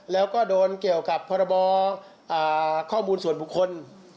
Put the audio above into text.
แล้วก็โดนเกี่ยวกับพรบข้อมูลส่วนบุคคล